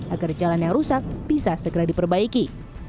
agar jalan yang rusak bisa segera diperbaiki